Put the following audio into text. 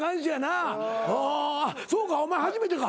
そうかお前初めてか。